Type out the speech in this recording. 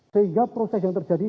sehingga proses yang terjadi